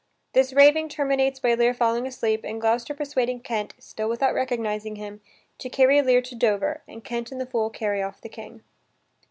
This raving terminates by Lear falling asleep and Gloucester persuading Kent, still without recognizing him, to carry Lear to Dover, and Kent and the fool carry off the King.